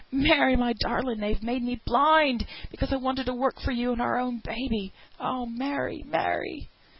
Mary, my darling, they've made me blind because I wanted to work for you and our own baby; oh, Mary, Mary!'